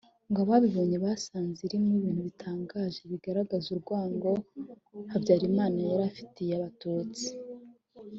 ngo abayibonye basanze irimo ibintu bitangaje bigaragaza urwango Habyarimana yari afitiye abatutsi